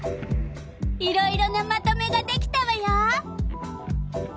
いろいろなまとめができたわよ。